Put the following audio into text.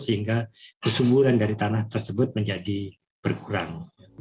sehingga kesumburan dari tanah tersebut menjadi berkurang